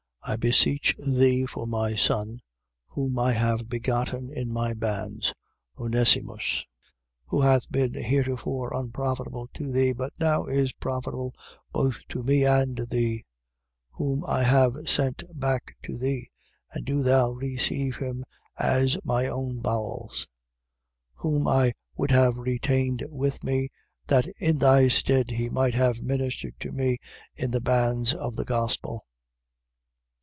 1:10. I beseech thee for my son, whom I have begotten in my bands, Onesimus, 1:11. Who hath been heretofore unprofitable to thee but now is profitable both to me and thee: 1:12. Whom I have sent back to thee. And do thou receive him as my own bowels. 1:13. Whom I would have retained with me, that in thy stead he might have ministered to me in the bands of the gospel.